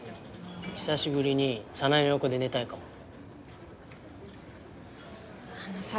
久しぶりに早苗の横で寝たいかもあのさ